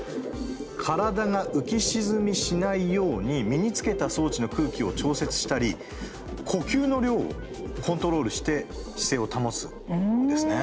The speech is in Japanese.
体が浮き沈みしないように身につけた装置の空気を調節したり呼吸の量をコントロールして姿勢を保つんですね。